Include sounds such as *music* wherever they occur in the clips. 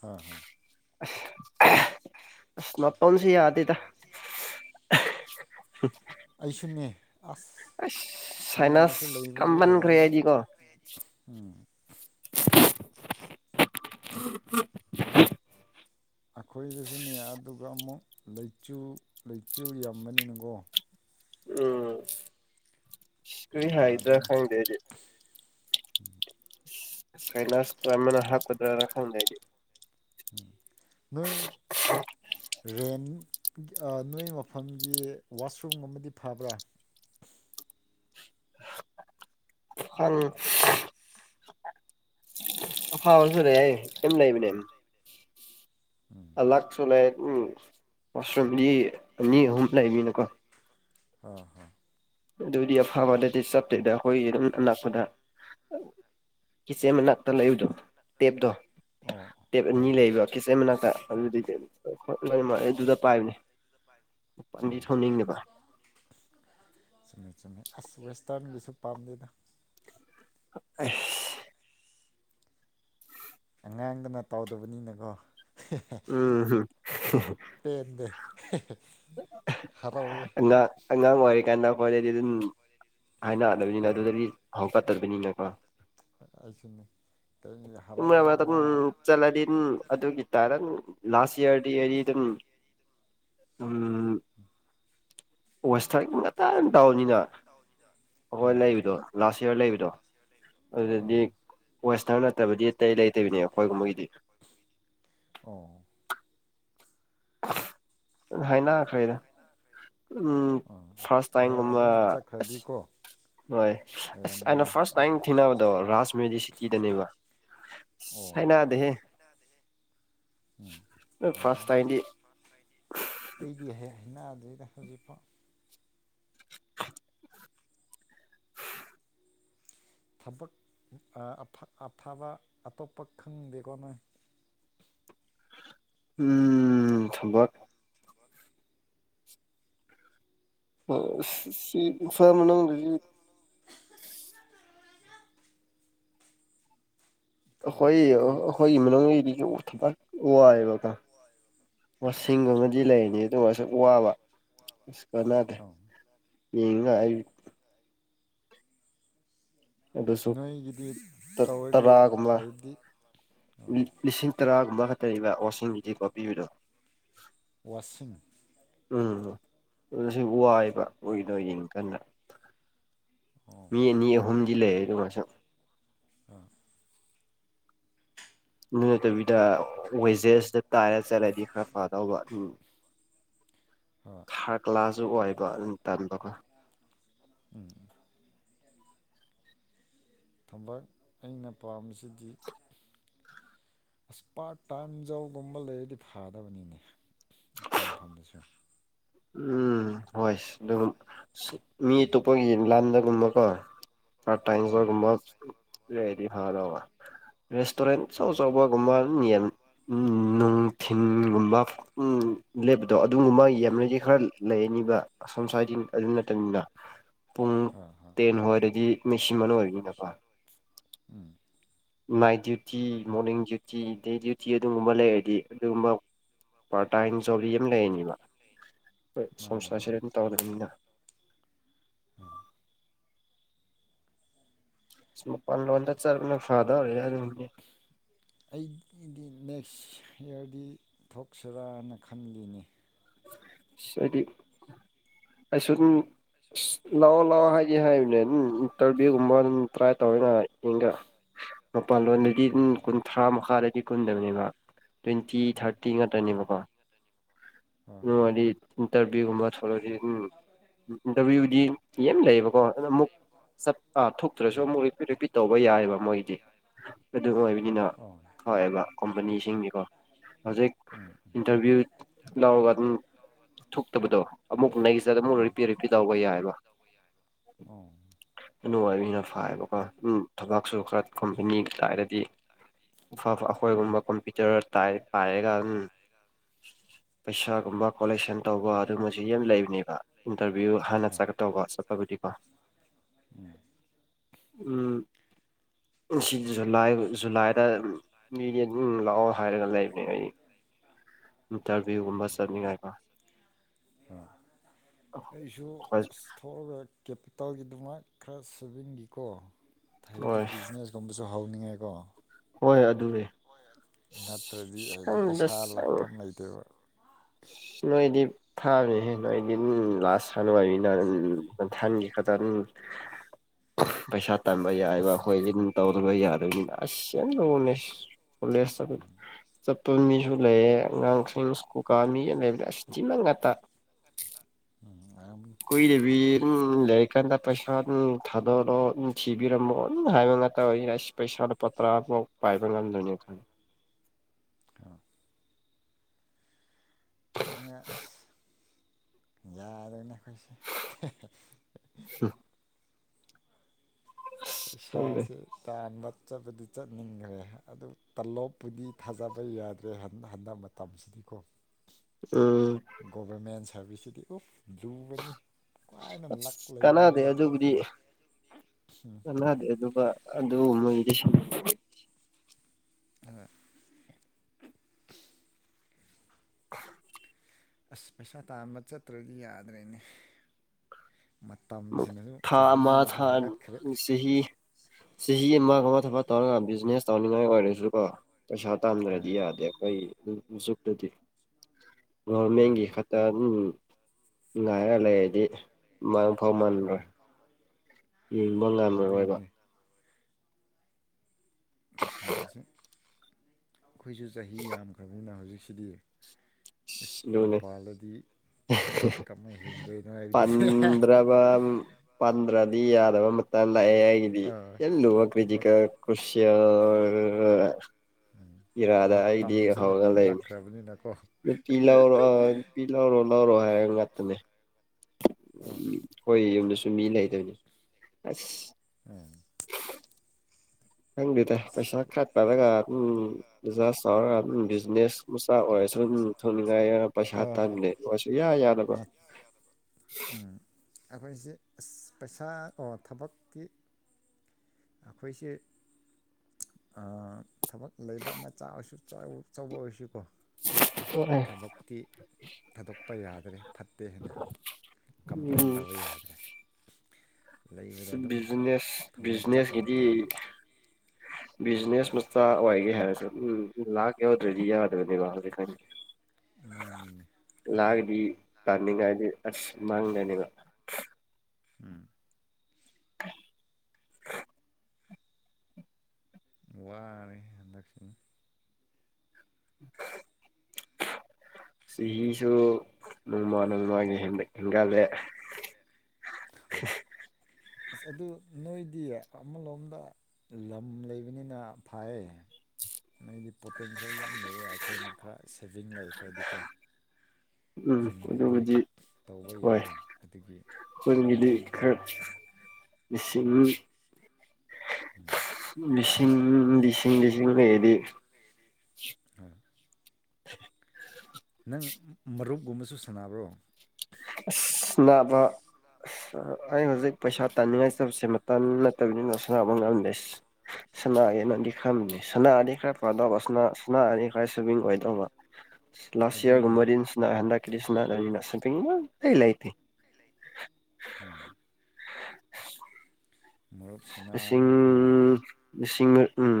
ꯍꯣꯏ ꯍꯣꯏ ꯃꯄꯣꯟꯁꯤ ꯌꯥꯗ *unintelligible* *inaudible* ꯑꯩꯁꯨꯅꯦ ꯑꯁ ꯁꯥꯏꯅꯥꯁ ꯁꯥꯏꯅꯥꯁꯨ ꯂꯩꯕꯒꯤ ꯀꯝꯃꯟꯈ꯭ꯔꯦ ꯑꯣꯏꯔꯝꯕ ꯑꯩꯗꯤꯀꯣ ꯎꯝ ꯎ *unintelligible* *inaudible* ꯑꯩꯈꯣꯏꯗꯁꯨꯅꯦ ꯑꯗꯨꯒ ꯑꯃꯨꯛ ꯂꯩꯆꯨ ꯂꯩꯆꯨ ꯌꯥꯝꯕꯅꯤꯅꯀꯣ ꯀꯣꯏ ꯌꯥꯗꯦꯅꯦ ꯍꯥꯏꯗ꯭ꯔꯈꯟꯗꯖ ꯅ ꯍꯥꯞ ꯈꯨꯗꯔ ꯔꯖ ꯅꯣꯏ *inaudible* *unintelligible* *inaudible* ꯔꯦꯟ ꯅꯣꯏ ꯃꯐꯝꯒꯤ ꯋꯥꯁꯔꯨꯝ ꯑꯃꯗꯤ ꯐꯕ꯭ꯔꯥ ꯐ *unintelligible* *inaudible* ꯑꯐꯥꯁꯨ ꯂꯩꯦ ꯌꯥꯦꯝ ꯂꯩꯕꯅꯦ ꯂꯥꯛꯆꯣ ꯂꯩ ꯎꯁ꯭ꯔꯝꯗꯤ ꯑꯅꯤꯍꯨꯝ ꯂꯩꯕꯤꯅꯀꯣ ꯑ ꯍꯣꯏ ꯑꯗꯨꯗꯤ ꯑꯐꯕꯗꯗꯤ ꯆꯠꯇꯦꯗ ꯑꯩꯈꯣꯏꯒꯤ ꯑꯗꯨꯝ ꯑꯅꯛꯄꯗ ꯀꯤꯠꯆꯦ ꯃꯅꯥꯛꯇ ꯂꯩꯨꯗꯣ ꯇꯦꯞꯇꯣ ꯑꯣ ꯇꯦꯞ ꯑꯅꯤ ꯍꯣꯏ ꯂꯩꯕ ꯀꯤꯠꯆꯦꯟ ꯃꯅꯥꯛꯇ ꯑꯗꯨꯗꯤꯗꯤ ꯑꯗꯨꯗ ꯄꯥꯏꯕꯅꯦ ꯄꯥꯟꯗꯤ ꯍꯣꯏ ꯊꯧꯅꯤꯡꯉꯦꯕ ꯆꯨꯝꯃꯤ ꯑꯁ ꯋꯦꯁꯇꯔꯟꯒꯤꯁꯨ ꯄꯥꯝꯗꯗ ꯑꯁ ꯑꯉꯥꯡꯗꯅ ꯇꯧꯗꯕꯅꯤꯅꯀꯣ ꯎꯝꯝ ꯄꯦꯟꯗꯦ ꯍꯔꯥꯎꯋꯦ ꯑꯥꯡ ꯑꯥꯡ ꯑꯣꯏꯔ ꯀꯥꯟꯅ ꯀꯣꯂꯦꯖ ꯑꯗꯨ ꯍꯥꯏꯅꯛꯗꯕꯅꯤꯅ ꯑꯗꯨꯗꯤ ꯍꯧꯛꯀꯠꯇꯕꯅꯤꯅꯀꯣ ꯑꯩꯁꯨ ꯑꯗꯨꯝ ꯆꯂꯗꯤ ꯑꯗꯨꯒꯤ ꯇꯔ ꯂꯥꯁ ꯏꯌꯥꯔꯗꯤ ꯑꯦꯗꯤ ꯑꯗꯨꯝ ꯎ ꯋꯦꯁꯇꯔ ꯇꯪ ꯇꯥꯎꯕꯅꯤꯅ ꯑꯩꯈꯣꯏ ꯑꯥ ꯂꯩꯕꯗꯣ ꯂꯥꯁ ꯏꯌꯥꯔ ꯂꯩꯕꯗꯣ ꯑꯗꯨꯗꯗꯤ ꯑꯥ ꯋꯦꯁꯇꯔꯟ ꯅꯠꯇꯕꯗꯤ ꯑꯇꯩ ꯂꯩꯇꯕꯤꯅꯦ ꯑꯩꯈꯣꯏꯒꯨꯝꯕꯒꯤꯗꯤ ꯑꯣ ꯍꯥꯏꯅꯈꯩꯗ ꯎꯝ ꯑꯥ ꯐꯥꯔꯁ ꯍꯣꯏ ꯇꯥꯏꯝꯒꯨꯝꯕ ꯑꯗꯨꯝ ꯆꯠꯈ꯭ꯔꯗꯤꯀꯣ ꯍꯣꯏ ꯑꯁ ꯑꯣꯏꯔꯝꯒꯅꯤ ꯑꯩꯅ ꯐꯥꯔꯁ ꯑꯣ ꯇꯥꯏꯝ ꯊꯤꯅꯕꯗꯣ ꯔꯥꯖ ꯃꯦꯔꯤ ꯁꯤꯇꯤꯗꯅꯦꯕ ꯁꯥꯏꯅꯗꯦ ꯎꯝ ꯐꯥꯔꯁ ꯑꯣꯏꯔꯝꯅꯤ ꯇꯥꯏꯟꯇ ꯑꯗꯨ ꯊꯖꯤꯖꯤ ꯐꯥꯎ *unintelligible* ꯊꯕꯛ ꯑꯐꯕ ꯑꯇꯣꯞꯄ ꯈꯪꯗꯦꯀꯣꯅꯣꯏ ꯎꯝ ꯁꯕꯠ ꯁꯤ ꯁꯥꯔ ꯃꯅꯨꯡꯗꯗꯤ ꯈꯣꯏ ꯊꯕꯛꯁꯤꯗꯤ ꯑꯁ ꯍꯣꯏ ꯃꯅ ꯑꯣ ꯑꯑꯕ ꯀ ꯃꯁꯤꯡ ꯑꯃꯗꯤ ꯂꯩꯔꯅꯤ ꯑꯗꯨꯒ ꯑꯁꯨꯛ ꯋꯥꯕ ꯑꯁ ꯀꯅꯥꯗꯦ ꯑꯧ ꯌꯦꯡ ꯑꯩ ꯑꯗꯨꯁꯨ ꯅꯣꯏꯒꯤꯗꯤ ꯇꯧꯗꯤ ꯇꯔꯥꯒꯨꯝꯕ ꯑꯩꯗꯤ ꯑꯧ ꯂꯤꯁꯤꯡ ꯇꯔꯥꯒꯨꯝꯃ ꯈꯛꯇ ꯂꯩꯕ ꯑꯣꯁꯗꯤ ꯀꯣ ꯄꯤꯕꯤꯔꯛꯎ ꯋꯥꯁꯤꯡ ꯎꯝ ꯑꯗꯨ ꯁꯤ ꯋꯥꯏꯕ ꯑꯣꯏꯗꯣ ꯌꯦꯡ ꯀꯟꯅ ꯑꯣ ꯃꯤ ꯑꯅꯤ ꯑꯍꯨꯝꯗꯤ ꯂꯩ ꯑꯗꯨꯒ ꯃꯁꯛ ꯑ ꯑꯗꯨ ꯅꯠꯇꯕꯤꯗ ꯋꯦꯖꯦꯁꯇ ꯇꯥꯏꯔ ꯆꯠꯂꯗꯤ ꯈꯔ ꯐꯗꯧꯕ ꯎꯝ ꯍꯣꯏ ꯈꯔ ꯀ꯭ꯂꯥꯁꯨ ꯑꯣꯏꯕ ꯑꯗꯨ ꯇꯝꯕꯒ ꯎꯝ ꯊꯕꯛ ꯑꯩꯅ ꯄꯥꯝꯕꯁꯤꯗꯤ ꯑꯁ ꯄꯥꯔꯠ ꯇꯥꯏꯝ ꯖꯧꯒꯨꯝꯕ ꯂꯩꯔꯗꯤ ꯊꯥꯗꯕꯅꯤꯅꯦ ꯑꯩꯈꯣꯏ ꯃꯐꯝꯗꯁꯨ ꯎꯝ ꯍꯣꯏ ꯑꯗꯨꯒ ꯃꯤ ꯑꯇꯣꯞꯄꯒꯤ ꯂꯥꯟꯗꯒꯨꯝꯕꯀꯣ ꯑ ꯍꯥ ꯇꯥꯏꯝꯔꯒꯨꯝꯕ ꯂꯩꯗꯤ ꯐꯗ ꯔꯦꯁꯇꯨꯔꯦꯟ ꯍꯥ ꯑꯆꯧꯆꯕꯒꯨꯝꯕꯅꯤ ꯅꯨꯡ ꯊꯤꯟꯒꯨꯝꯕ ꯂꯦꯞꯄꯗꯣ ꯑꯗꯨꯒꯨꯝꯕꯒꯤ ꯌꯥꯝ ꯂꯩ ꯈꯔ ꯂꯩꯔꯅꯤꯕ ꯑꯁꯣꯝ ꯁ꯭ꯋꯥꯏꯗ ꯑꯗꯨ ꯅꯠꯇꯅꯤꯅ ꯄꯨꯡ ꯍꯥ ꯍꯥ ꯇꯦꯟ ꯍꯋꯥꯗꯗꯤ ꯃꯦꯁꯤꯃ ꯑꯣꯏꯔꯤꯅꯤ ꯅꯄꯥ ꯎꯝ night duty morning duty day duty ꯑꯗꯨꯒꯨꯝꯕ ꯂꯩꯔꯗꯤ ꯑꯗꯨꯒꯨꯝꯕ ꯄꯥꯔ ꯇꯥꯏꯟ ꯖꯣꯂꯤ ꯑꯃ ꯂꯩꯔꯅꯤꯕ ꯍꯣꯏ ꯃꯥꯅꯤ ꯁꯣꯡꯁꯥꯔꯁꯤ ꯑꯗꯨꯝ ꯇꯧꯔꯕꯅꯤꯅ ꯎꯝ ꯃ ꯄꯥꯟꯗ ꯆ ꯐ ꯑꯩꯗꯤ ꯅꯦꯛꯁ ꯍꯤꯌꯔꯗꯤ ꯊꯣꯛꯁꯤꯔꯥꯅ ꯈꯟꯜꯂꯤꯅꯤ ꯁꯗꯤ ꯑꯩ ꯁ ꯑ ꯂꯥꯛꯑꯣ ꯂꯥꯛꯑꯣ ꯍꯥꯏꯒꯦ ꯍꯥꯏꯕꯅꯦ ꯅꯝ ꯏꯟꯇꯔꯚꯤꯌꯨꯒꯨꯝꯕ ꯑꯗꯨꯝ ꯇ꯭ꯔꯥꯏ ꯇꯧꯋꯤꯅ ꯍꯒ ꯃꯄꯥꯟ ꯂꯣꯟꯗꯗꯤ ꯀꯨꯟꯊ꯭ꯔꯥ ꯃꯈꯥꯗꯗꯤ ꯀꯨꯟꯗꯕꯅꯦꯕ ꯇ꯭ꯋꯦꯟꯇꯤ ꯑꯥ ꯊꯥꯔꯇꯤ ꯉꯥꯛꯇꯅꯦꯕꯀꯣ ꯑꯥ ꯋꯥꯔꯤꯗꯤ ꯏꯟꯇꯔꯚꯒꯨꯝꯕ ꯊꯂꯗꯤ ꯎꯝ ꯏꯟꯇꯔꯚꯌꯨꯗꯤ ꯌꯥꯝ ꯂꯩꯌꯦꯕꯀꯣ ꯑ ꯑꯃꯨꯛ ꯑꯥ ꯊꯣꯛꯇ꯭ꯔꯁꯨ ꯎꯝ ꯑꯃꯨꯛ ꯔꯤꯄꯤꯠ ꯔꯤꯄꯤꯠ ꯇꯧꯕ ꯌꯥꯏꯑꯕ ꯃꯣꯏꯗꯤ ꯑꯗꯨ ꯑꯣꯏꯕꯅꯤꯅ ꯑꯣ ꯍꯣꯏꯕ ꯀꯝꯄꯅꯤꯁꯤꯡꯀꯣ ꯍꯧꯖꯤꯛ ꯎꯝ ꯏꯟꯇꯔꯚꯤꯌꯨ ꯂꯧꯔꯒ ꯑꯗꯨꯝ ꯊꯣꯛꯇꯕꯗꯣ ꯑꯃꯨꯛ ꯅꯁꯤꯗ ꯑꯃꯨꯛ ꯎꯝ ꯔꯤꯄꯤ ꯔꯤꯄꯤ ꯇꯧꯕ ꯌꯥꯏꯑꯕ ꯑꯣ ꯅꯨꯡꯉꯥꯏꯅ ꯐꯕꯀꯣꯝ ꯊꯕꯛꯁꯨ ꯈꯔ ꯈꯨꯝꯕꯤꯅꯤꯥꯏꯗꯗꯤ ꯑꯐ ꯑꯩꯈꯣꯏꯒꯨꯝꯕ ꯀꯝꯄ꯭ꯌꯨꯇꯔ ꯄꯥꯏꯔꯒ ꯎꯝ ꯄꯩꯁꯥꯒꯝꯕ ꯀꯣꯂꯦꯛꯁꯟ ꯇꯧꯕ ꯑꯗꯨꯨꯝꯕꯁꯤ ꯌꯥꯝ ꯂꯩꯕꯅꯦꯕ ꯏꯟꯇꯔꯚꯤꯌꯨ ꯍꯥꯟꯅ ꯍꯥ ꯆꯠꯀꯠꯇꯧꯕ ꯆꯠꯄꯕꯨꯗꯤꯀꯣ ꯎꯝ *inaudible* ꯎꯝ ꯁꯤ ꯖꯨꯂꯥꯏ ꯖꯨꯂꯥꯏꯗ ꯃꯤ ꯂꯥꯛꯑꯣ ꯍꯥꯏꯔꯒ ꯂꯩꯕꯅꯦ ꯑꯩ ꯏꯟꯇꯔꯚꯤꯌꯨꯒꯨꯝꯕ ꯆꯠꯅꯤꯡꯉꯥꯏ ꯑꯩꯁꯨ ꯊ ꯀꯦꯄꯤꯇꯥꯜꯒꯤꯗꯃꯛ ꯈꯔ ꯁꯦꯚꯤꯡꯒꯤꯀꯣ ꯍꯥꯏꯗꯤ ꯍꯣꯏ ꯕꯤꯖꯤꯅꯦꯁꯀꯨꯝꯕꯁꯨ ꯑꯗꯨ ꯍꯧꯅꯤꯡꯉꯦꯀꯣ ꯍꯣꯏ ꯑꯗꯨꯏ ꯅꯠꯇ꯭ꯔꯗꯤ ꯍꯥꯏꯗꯤ ꯄꯩꯁꯥ ꯑꯁ ꯂꯥꯛꯐꯝ ꯂꯩꯇꯦꯕ ꯅꯣꯏꯗꯤ ꯊꯥꯃꯦ ꯅꯣꯏꯗꯤ ꯂꯥꯁ ꯊꯅꯥꯏ ꯎ ꯊꯥꯟꯒꯤ ꯈꯗꯅꯤ ꯄꯩꯁꯥ ꯇꯥꯟꯕ ꯌꯥꯏꯕ ꯑꯩꯈꯣꯏꯝ ꯇꯧꯗꯕ ꯌꯥꯗꯕꯅꯤꯅ ꯑꯁ ꯌꯥꯝ ꯂꯅꯦ ꯀꯣꯂꯦꯖ ꯆꯠꯄ ꯃꯤꯁꯨ ꯂꯩꯌꯦ ꯑꯉꯥꯡꯁꯤꯡ ꯀ ꯃꯤꯒ ꯂꯩꯕ꯭ꯔꯥ ꯁꯤꯇꯤꯃ ꯉꯇ ꯎꯝ ꯑꯗꯨꯝ ꯀꯏꯗꯦꯕꯤꯝ ꯂꯩꯔꯀꯥꯟꯗ ꯄꯩꯁꯥ ꯊꯥꯗꯔꯣ ꯕꯤꯔꯝꯃꯣ ꯍꯥꯏꯕ ꯉꯥꯛꯇ ꯑꯣꯏ ꯑꯁ ꯄꯩꯁꯥ ꯄꯇ꯭ꯔꯥꯐꯥꯎ ꯄꯥꯏꯕ ꯉꯝꯗꯣꯏꯅꯦ ꯑꯗꯨ ꯑꯁ ꯌꯥꯗꯅ ꯈꯥꯏꯁ ꯈꯪꯗꯦ ꯄꯩꯁꯥꯁꯦ ꯇꯥꯟꯕꯕ ꯆꯠꯄꯗꯤ ꯆꯠꯅꯤꯡꯈ꯭ꯔꯦ ꯑꯗꯨ ꯇꯂꯣꯞꯄꯨꯗꯤ ꯊꯥꯖꯕ ꯌꯥꯗ꯭ꯔꯦ ꯍꯟꯗꯛ ꯃꯇꯝꯁꯤꯗ ꯏꯀꯣ ꯎꯝ ꯒꯣꯕꯔꯃꯦꯟ ꯁꯔꯚꯤꯁꯕꯤꯁꯁꯤꯗꯤ ꯑꯣ ꯌꯨꯕꯅꯤ ꯈ꯭ꯋꯥꯏꯅ ꯂꯛ ꯑꯁ ꯂꯩꯕ ꯃꯤꯅ ꯊꯣꯛꯄꯅꯤ ꯀꯅꯥꯗꯤ ꯑꯗꯨꯒ ꯑꯗꯨ ꯃꯣꯏꯗꯤ *inaudible* ꯑꯁ ꯄꯩꯁꯥ ꯇꯥꯝꯕ ꯆꯠꯇ꯭ꯔꯗꯤ ꯌꯥꯗ꯭ꯔꯦꯅꯦ ꯃꯇꯝꯁꯤꯅꯁꯨ ꯊꯥ ꯃꯥꯥ ꯆꯍꯤꯅꯁꯨ ꯊꯥ ꯍꯥꯏꯒꯠꯈ꯭ꯔꯦ ꯁꯍꯤ ꯁꯤ ꯑꯃꯒ ꯑꯃ ꯊꯕꯛ ꯇꯧꯔꯒ ꯕꯤꯖꯤꯅꯦꯁ ꯇꯧꯅꯤꯡꯉꯥꯏ ꯑꯣꯏꯔꯁꯨ ꯀꯣ ꯄꯩꯁꯥ ꯍꯥ ꯇꯥꯟꯗ꯭ꯔꯗꯤ ꯌꯥꯗꯦ ꯑꯩꯈꯣꯏꯆꯨꯞꯇꯗꯤ ꯒꯣꯔꯔꯃꯦꯟꯒꯤ ꯃꯥꯅꯦ ꯈꯛꯇ ꯑꯗꯨꯝ ꯉꯥꯏꯔ ꯂꯩꯔꯗꯤ ꯍꯧꯃꯥꯟ꯭ꯔ ꯍꯣꯏ ꯌꯦꯡꯕ ꯉꯝꯂꯣꯏꯕ ꯑꯗꯨꯒꯤꯅꯦ ꯑꯩꯁꯖ ꯑꯩꯈꯣꯏꯁꯨꯦ ꯆꯍꯤ ꯌꯥꯝꯈ꯭ꯔꯕꯅꯤꯅ ꯍꯧꯖꯤꯛꯁꯤꯗꯤ ꯏꯁ ꯌꯨꯝꯄꯥꯜꯗꯗꯤ ꯄꯗꯕ ꯄꯟ꯭ꯔꯗꯤ ꯌꯥ ꯕ ꯃ ꯂꯌꯦꯑꯗꯗꯤ ꯑꯥ ꯌꯦꯜꯣ ꯀ꯭ꯔꯤꯖꯤꯀ ꯈꯨꯌꯥ ꯎꯝ ꯃꯇꯝꯁꯤꯅ ꯄꯨꯔꯛꯈ꯭ꯔꯕꯅꯤꯅꯀꯣ ꯄꯤ ꯂꯥꯎꯔꯣ ꯄꯤ ꯂꯔꯣ ꯂꯧꯔꯣ ꯍꯥꯏ ꯉꯇꯅꯦ ꯎ ꯌꯨꯝꯅꯁꯨ ꯃꯤ ꯂꯩꯗꯣꯏꯅꯤ ꯑꯁ ꯎꯝ ꯈꯪꯗꯦꯗ ꯄꯩꯁꯥ ꯈꯠꯄꯔꯒ ꯑꯗꯨꯝ ꯖꯁ ꯆꯥꯎꯔꯒ ꯑꯗꯨꯝ ꯕꯤꯖꯤꯅꯦꯁ ꯃꯆꯥ ꯑꯣꯏꯔꯁꯨ ꯑꯗꯨꯝ ꯊꯣꯡꯅꯤꯡꯉꯥꯏ ꯑꯣꯏꯔ ꯄꯩꯁꯥ ꯍꯣꯏ ꯍꯣꯏ ꯍꯣꯏ ꯇꯥꯅꯤꯡꯉꯥꯏ ꯑꯣꯏꯔꯁꯨ ꯌꯥ ꯌꯥꯗꯕ *inaudible* ꯃꯠ ꯑꯩꯈꯣꯏꯁꯦ ꯄꯩꯁꯥ ꯑꯣ ꯊꯕꯛꯀꯤ ꯑꯩꯈꯣꯏꯁꯦ ꯊꯕꯛ ꯂꯩꯕ ꯃꯆꯥꯥꯛ ꯑꯣꯏꯁꯨ ꯆꯥꯎꯧꯕ ꯑꯣꯏꯁꯤꯀꯣ ꯊꯕꯛꯇꯤ ꯊꯥꯗꯣꯛꯄ ꯌꯥꯗ꯭ꯔꯦ ꯠꯇꯦ ꯍꯦꯟꯅ ꯀꯝꯄ꯭ꯂꯦꯟ ꯎꯝ ꯇꯧꯕ ꯌꯥꯗ꯭ꯔꯦ ꯂꯩꯕꯗ ꯑꯗꯨꯝ ꯕꯤꯖꯤꯅꯦꯁ ꯊꯃꯣꯏ ꯕꯤꯖꯤꯅꯦꯁ ꯆꯞꯅ ꯀꯗꯤ ꯇꯧꯔꯗꯤ ꯕꯤꯖꯤꯅꯦꯁ ꯃꯆꯥ ꯑꯣꯏꯒꯦ ꯍꯥꯏꯔꯁꯨ ꯎꯝ ꯂꯥꯛ ꯌꯥꯎꯗ꯭ꯔꯗꯤ ꯌꯥꯗꯕꯅꯦꯕ ꯍꯧꯖꯤꯛ ꯉꯃꯤꯅꯦ ꯊꯥꯒꯗꯤ ꯇꯥꯅꯤꯡꯉꯥꯏꯗꯤ ꯑꯁ ꯃꯥꯡꯒꯅꯦꯕ ꯎꯝ ꯋꯥꯔꯦ ꯍꯟꯗꯛꯁꯤꯟ *inaudible* ꯁꯤꯁꯨ ꯅꯣꯡꯃꯥꯟꯅꯃꯒꯤ ꯍꯦꯟꯒꯂꯦ *inaudible* ꯑꯁ ꯑꯗꯨ ꯅꯣꯏꯗꯤ ꯑꯃꯂꯣꯝꯗ ꯂꯝ ꯂꯩꯕꯅꯤꯅ ꯐꯥꯏꯌꯦ *inaudible* ꯅꯣꯏꯗꯤ ꯄꯣꯇꯦꯟꯁꯤꯌꯦꯜ ꯌꯥꯝ ꯂꯩꯑꯦ ꯑꯩꯈꯣꯏꯅ ꯈꯔ ꯁꯦꯚꯤꯡ ꯂꯩꯈ꯭ꯔꯗꯤꯀꯣ ꯎꯝ ꯈꯨꯟꯗꯗꯤ ꯑꯗꯨꯕꯨꯗꯤ ꯇꯧꯕ ꯌꯥꯏ ꯑꯗꯨꯒꯤ ꯂꯩ ꯈ ꯏꯁꯤꯡ ꯎꯝ ꯁꯤꯡ ꯂꯤꯁꯤꯡ ꯂꯤꯁꯤꯡ ꯂꯩꯗꯤ ꯍꯣꯏ *inaudible* ꯅ ꯅꯪ ꯃꯔꯨꯞꯀꯨꯝꯕꯁꯨ ꯁꯥꯟꯅꯕ꯭ꯔꯣ ꯅꯕ ꯑꯁ ꯑꯩ ꯍꯧꯖꯤꯛ ꯄꯩꯁꯥ ꯇꯥꯅꯤꯡꯉꯥꯏ ꯆꯕꯁꯦ ꯃꯇꯝ ꯅꯠꯇꯕꯅꯤꯅꯁꯕ ꯉꯝꯗꯦꯁ ꯁꯅꯥ ꯌꯦꯅꯗꯤ ꯈꯪꯅꯤ ꯁꯅꯥ ꯑꯅꯤ ꯈꯔ ꯄꯥꯗꯕ ꯁꯅꯥ ꯑꯅꯤ ꯈꯔ ꯁꯦꯕꯤꯡ ꯑꯣꯏꯗꯧꯕ ꯂꯥꯁ ꯑꯗꯨꯅꯦ ꯌꯥꯔꯒꯨꯝꯃꯗꯤꯁꯤꯅ ꯍꯦꯟꯗ ꯀꯔꯤꯁꯤꯅꯄ ꯂꯩ ꯂꯩꯇ ꯎꯝ ꯃꯔꯨꯞ ꯁꯤꯡ ꯁꯥꯟꯅꯔꯒꯀꯣ ꯆꯤꯡ ꯎꯝ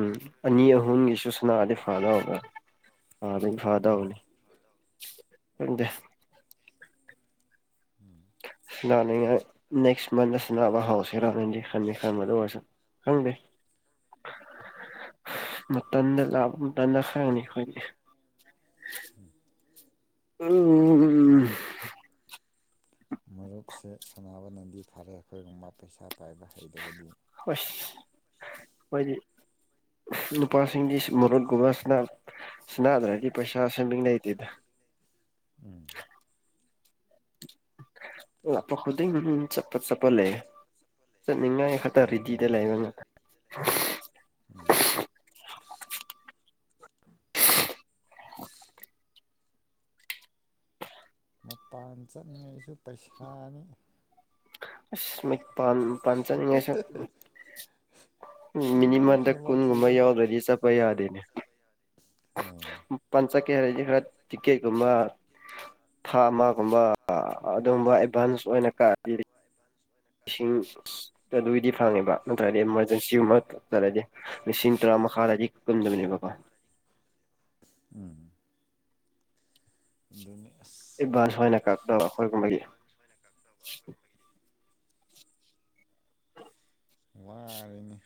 ꯑꯅꯤ ꯑꯍꯨꯝꯒꯤꯁꯨ ꯁꯅꯥꯗꯤ ꯐꯥꯅꯕꯕ꯭ꯔ ꯑꯥꯃꯤ ꯍꯣꯏ ꯐꯥꯗꯧꯅꯦ ꯍꯗ ꯁꯅꯥꯅꯉ ꯅꯦꯛꯁ ꯃꯟ ꯁꯅꯥꯕ ꯍꯥꯎꯁꯦꯔꯅꯗꯤ ꯈꯪꯗꯦ ꯈꯪꯕꯗ ꯑꯣꯏꯔꯁ ꯈꯪꯗꯦ ꯃꯇꯝ ꯂꯇꯅ ꯈꯥꯏꯅꯤꯈꯣꯏꯅꯦ ꯑ ꯃꯔꯨꯞꯁꯦ ꯁꯥꯟꯅꯕ ꯅꯗꯤ ꯐꯔꯦ ꯑꯩꯈꯣꯏꯒꯨꯝꯕ ꯄꯩꯁꯥ ꯄꯥꯏꯕ ꯍꯩꯇꯕꯗꯤ ꯍ ꯍꯣꯏꯗꯤ ꯅꯨꯄꯥꯁꯤꯡꯒꯤ ꯃꯔꯨꯠꯀꯨꯝꯕꯕꯁꯤꯅ ꯁꯅꯗ꯭ꯔꯗꯤ ꯄꯩꯁꯥ ꯁꯕꯤꯡ ꯂꯩꯇꯦꯗꯥ ꯎꯝ ꯑꯣ ꯈꯨꯗ ꯆꯞꯄ ꯆꯞꯄ ꯂꯩꯌꯦ ꯅꯤꯡꯉꯥꯏ ꯍꯣꯏ ꯈꯇꯔꯔꯤꯗꯤꯗ ꯃꯥꯅꯤ ꯂꯩꯕ ꯉ *unintelligible* ꯃꯄꯥꯟ ꯆꯠꯂꯤꯉꯩꯁꯨ ꯄꯩꯁꯥꯅꯤ ꯑ ꯄ ꯄꯆꯥꯅꯤꯡꯉꯁ ꯃꯤꯅꯤꯃꯝꯗ ꯀꯨꯟꯒꯨꯝꯕ ꯂꯣꯏꯅꯃꯛꯁꯤꯀꯣ ꯌꯥꯎꯗ꯭ꯔꯗꯤ ꯆꯠꯄ ꯌꯥꯗꯦꯅꯦ ꯑꯣ ꯄꯥꯟ ꯆꯠꯀꯦ ꯍꯥꯏꯔꯗꯤ ꯈꯔ ꯇꯤꯛꯀꯦꯀꯨꯝꯕ ꯊꯥ ꯑꯃꯒꯨꯝꯕ ꯑꯗꯨꯝꯕ ꯑꯦꯚꯥꯟꯁ ꯑꯣꯏꯅ ꯀꯥꯔꯤ ꯂꯤꯁꯤꯡ ꯑꯗꯨꯒꯤꯗꯤ ꯐꯪꯉꯦꯕ ꯅꯠꯇ꯭ꯔꯗꯤ ꯑꯦꯃꯥꯔꯖꯦꯟꯁꯤꯒꯨꯝꯕ ꯆꯠꯂꯗꯤ ꯂꯤꯁꯤꯡ ꯇꯔꯥꯃꯥꯗ ꯀꯝꯗꯕꯅꯦꯕꯕꯥ ꯎꯝ ꯑꯗꯨꯅꯤ ꯑꯁ ꯏꯗꯚꯥꯟꯁ ꯑꯣꯏꯅ ꯑꯩꯈꯣꯏꯒꯨꯝꯕꯒꯤ ꯋꯥꯔꯅꯤ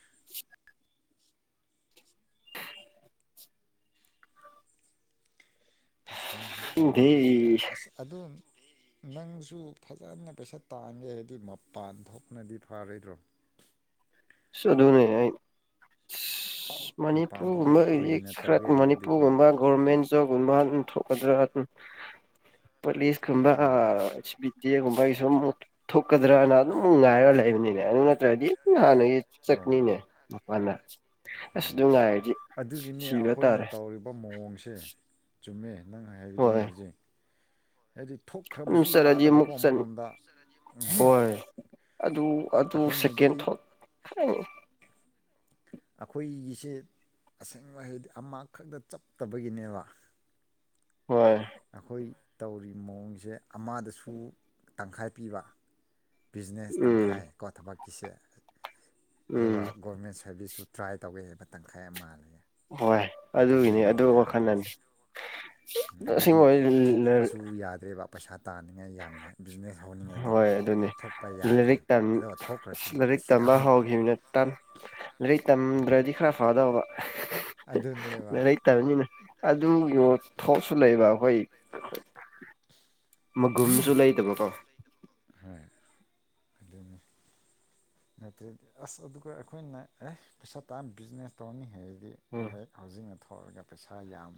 ꯄꯩꯁꯥꯁꯨ ꯈꯪꯗꯦ ꯇꯗ꯭ꯔꯗꯤ ꯑꯁ ꯑꯗꯨ *unintelligible* ꯅꯪꯁꯨ ꯐꯖꯅ ꯄꯩꯁꯥ ꯇꯥꯡꯒꯦ ꯍꯥꯏꯗꯤ ꯃꯄꯥꯟ ꯊꯣꯛꯅꯗꯤ ꯐꯔꯣꯏꯗ꯭ꯔꯣ ꯁꯗꯅꯦ ꯃꯄꯥꯟ ꯃꯅꯤꯄꯨꯔꯒꯨꯝꯕ ꯊꯣꯛꯑꯒ ꯍꯧꯛ ꯀꯨꯏꯅ ꯈꯔ ꯇꯧꯒꯦ ꯍꯥꯏꯔꯗꯤꯀꯣ ꯃꯅꯤꯄꯨꯔꯒꯨꯝꯕ ꯒꯣꯔꯃꯦꯟ ꯧꯒꯨꯝꯕ ꯑꯗꯨꯝ ꯊꯣꯛꯀꯗ꯭ꯔꯥ ꯑꯗꯨ ꯄꯨꯂꯤꯁꯀꯨꯝꯕ ꯆꯦꯒꯨꯝꯕꯒꯤꯁꯨꯨꯝ ꯑꯃꯨꯛ ꯊꯣꯛꯀꯗ꯭ꯔꯅ ꯑꯗꯨꯝꯛ ꯉꯥꯏꯔꯒ ꯂꯩꯕꯅꯤꯅꯦ ꯑꯗꯨ ꯅꯠꯇ꯭ꯔꯗꯤ ꯍꯥꯟꯅꯒꯤ ꯑꯣ ꯆꯠꯅꯤꯅꯦ ꯃꯗ ꯑꯁ ꯑꯗꯨꯝ ꯉꯥꯏꯔꯗꯤ ꯑꯗꯨꯒꯤꯅꯤ ꯁꯤꯕ ꯑꯩꯈꯣꯏꯅ ꯇꯥꯔꯦ ꯇꯧꯔꯤꯕ ꯃꯑꯣꯡꯁꯦ ꯆꯨꯝꯃꯦ ꯅꯪ ꯍꯥꯏ ꯍꯥꯏꯈꯤꯗꯨꯅꯤ ꯍꯣꯏ ꯍꯧꯖꯤꯛ ꯍꯥꯏꯗꯤ ꯑꯗꯨꯝ ꯊꯣꯛꯈ꯭ꯔꯕꯁꯨ ꯆꯠꯂꯗꯤ ꯌꯥꯗꯕꯀꯣ ꯑꯃꯨꯛ ꯆꯠ ꯑꯃꯂꯣꯝꯗ ꯎꯝ ꯍꯣꯏ ꯑꯗꯨ ꯑꯗꯨ ꯁꯦꯀꯦꯟ ꯊꯣꯠ ꯍꯥꯏꯉꯤ ꯑꯩꯈꯣꯏꯒꯤꯁꯦ ꯑꯁꯦꯡꯕ ꯍꯥꯏꯗꯤ ꯑꯃꯈꯛꯇ ꯆꯞꯠꯇꯕꯒꯤꯅꯦꯕ ꯍꯣꯏ ꯑꯩꯈꯣꯏ ꯇꯧꯔꯤꯕ ꯃꯑꯣꯡꯁꯦ ꯑꯃꯗꯁꯨ ꯇꯪꯈꯥꯏ ꯄꯤꯕ ꯕꯤꯖꯤꯅꯦꯁ ꯎꯝ ꯇꯪꯈꯥꯏꯀꯣ ꯊꯕꯛꯀꯤꯁꯦ ꯎꯝ ꯑꯗꯨꯒ ꯒꯣꯔꯃꯦꯟ ꯁꯥꯔꯚꯤꯁꯁꯨꯨ ꯇ꯭ꯔꯥꯏ ꯇꯧꯒꯦꯁꯦ ꯃꯇꯝ ꯈꯥꯏ ꯃꯥꯜꯂꯦ ꯍꯣꯏ ꯑꯗꯨꯒꯤꯅꯤ ꯑꯗꯨ ꯋꯥꯈꯜ ꯑꯅꯤ ꯑꯗꯨꯒꯤ ꯊꯣꯛꯄꯁꯨ ꯌꯥꯗ꯭ꯔꯦꯕ ꯄꯩꯁꯥ ꯇꯥꯅꯤꯡꯉꯥꯏ ꯌꯥꯝꯅ ꯕꯤꯖꯤꯅꯦꯁ ꯍꯧꯅꯤꯡꯉꯥꯏꯗꯣ ꯍꯣꯏ ꯑꯗꯨꯅꯤ ꯊꯣꯛꯄ ꯌꯥꯗ꯭ꯔꯦ ꯂꯥꯏꯔꯤꯛ ꯑ ꯑꯗꯨꯒ ꯊꯣꯛꯈ꯭ꯔꯁꯨ ꯂꯥꯏꯔꯤꯛ ꯑꯁꯤꯗ ꯇꯝꯕ ꯑꯃꯨꯛ ꯍꯧꯈꯤꯕꯅ ꯂꯥꯏꯔꯤꯛ ꯇꯝꯗ꯭ꯔꯗꯤ ꯈꯔ ꯐꯗꯕ ꯑꯗꯨꯅꯦꯕ ꯂꯩꯇꯕꯅꯤꯅ ꯑꯗꯨꯒꯤ ꯊꯣꯛꯁꯨ ꯂꯩꯕ ꯍꯣꯏ ꯃꯒꯨꯝꯁꯨ ꯂꯩꯇꯕꯀꯣ *unintelligible* ꯅꯠꯇꯗꯤ ꯑꯁ ꯑꯗꯨꯒ ꯑꯩꯈꯣꯏꯅ ꯑꯦ ꯄꯩꯁꯥ ꯇꯥ ꯕꯤꯖꯤꯅꯦꯁ ꯇꯧꯔꯅꯤ ꯍꯥꯏ ꯑꯗꯒꯤ ꯎꯝ ꯍꯦꯛ ꯍꯧꯥꯎꯖꯤꯡꯅ ꯊꯣꯛꯑꯒ ꯄꯩꯁꯥ ꯌꯥꯝ